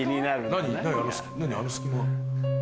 何あの隙間。